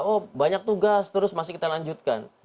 oh banyak tugas terus masih kita lanjutkan